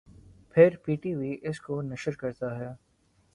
پھر P T V اس کو نشر کرتا ہے